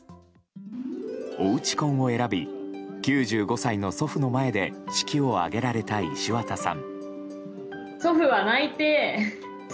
おうち婚を選び９５歳の祖父の前で式を挙げられた石渡さん。